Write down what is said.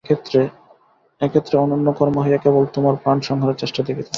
এক্ষণে অনন্যকর্মা হইয়া কেবল তোমার প্রাণসংহারের চেষ্টা দেখিতেছে।